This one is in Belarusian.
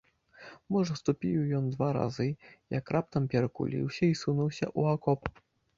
Можа, ступіў ён два разы, як раптам перакуліўся і сунуўся ў акоп.